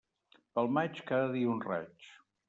Pel maig, cada dia un raig.